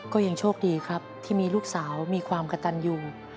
ก็ยังโชคดีครับที่มีลูกสาวมีความกระตันอยู่